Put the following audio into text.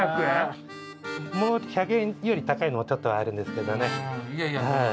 １００円より高いのもちょっとあるんですけどね。